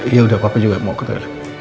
iya udah papa juga mau ke toilet